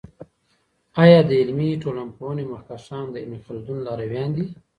آیا د علمي ټولپوهني مخکښان د ابن خلدون لارویان دی؟